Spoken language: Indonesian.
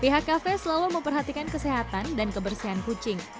pihak kafe selalu memperhatikan kesehatan dan kebersihan kucing